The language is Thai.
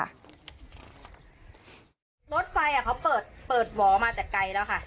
รถไฟเขาเปิดหวอมาแต่ไกลแล้วค่ะ